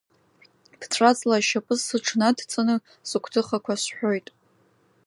Бҵәаҵла ашьапы сыҽнадҵаны сыгәҭыхақәа сҳәоит.